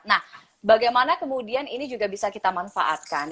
nah bagaimana kemudian ini juga bisa kita manfaatkan